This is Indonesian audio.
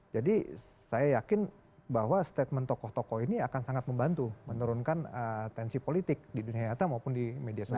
saya yakin bahwa statement tokoh tokoh ini akan sangat membantu menurunkan tensi politik di dunia nyata maupun di media sosial